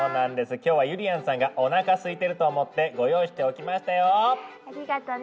きょうはゆりやんさんがおなかすいてると思ってご用意しておきましたよ。ありがとね。